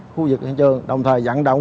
khu vực hình trường đồng thời dặn động